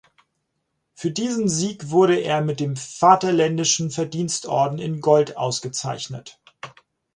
Für diesen Sieg wurde er mit dem Vaterländischen Verdienstorden in Gold ausgezeichnet.